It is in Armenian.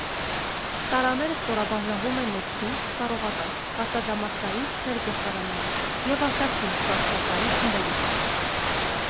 Տարաները ստորաբաժանվում են ներքին (սպառողական), արտադրամասային (ներգործարանային) և արտաքին (տրանսպորտային) խմբերի։